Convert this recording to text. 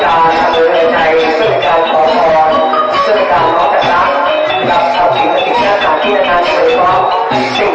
ถ้าเกียรติเกตุขยับกินกินก้าดเซอรี่เผิ้มชื่อหัวเขียนทิศหรือภูมิการทำให้เห็น